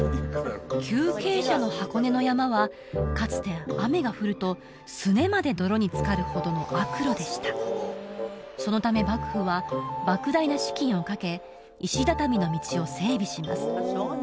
急傾斜の箱根の山はかつて雨が降るとすねまで泥につかるほどの悪路でしたそのため幕府は莫大な資金をかけ石畳の道を整備します